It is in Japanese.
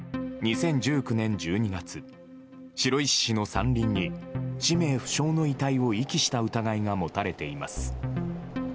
２０１９年１２月白石市の山林に氏名不詳の遺体を遺棄した疑いが持たれています。